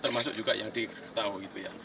termasuk juga yang di ketau